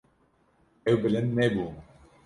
Ew bilind nebûn.